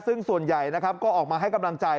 ซึ่งส่วนใหญ่นะครับก็ออกมาให้กำลังใจ